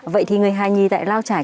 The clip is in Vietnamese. vậy thì người hà nghì tại lào trải